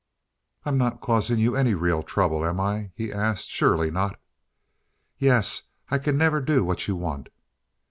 "I'm not causing you any real trouble, am I?" he asked. "Surely not." "Yes. I can never do what you want."